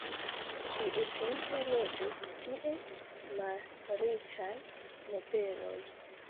Tiutempe loĝis tie malriĉaj nobeloj.